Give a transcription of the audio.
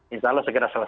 insya allah segera selesai